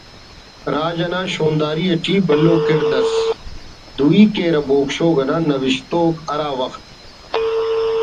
راج انا شونداری ٹی بھلو کڑد اس دوئی کیرہ بوگ شوگ نا نوشتوک ہرا وخت